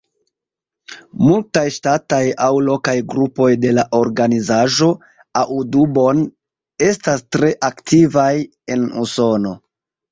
Multaj ŝtataj aŭ lokaj grupoj de la organizaĵo Audubon estas tre aktivaj en Usono.